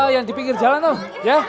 yang di pinggir jalan tuh